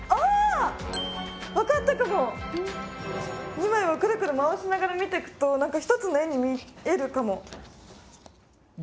２枚をクルクル回しながら見てくと一つの絵に見えるかも。